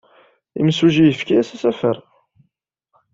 Imsujji yefka-as asafar.